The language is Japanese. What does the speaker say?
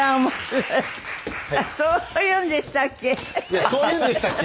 いや「そういうんでしたっけ」？